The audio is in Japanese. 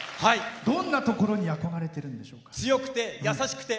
どんなところに憧れてるんでしょうか？